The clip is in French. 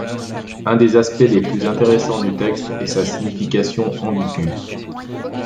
Un des aspects les plus intéressants du texte est sa signification ambiguë.